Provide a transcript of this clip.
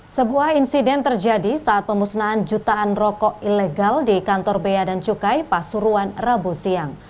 sebuah insiden terjadi saat pemusnahan jutaan rokok ilegal di kantor bea dan cukai pasuruan rabu siang